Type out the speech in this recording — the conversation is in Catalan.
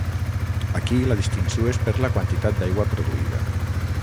Aquí la distinció és per la quantitat d'aigua produïda.